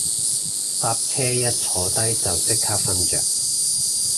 搭車一坐低就即刻瞓着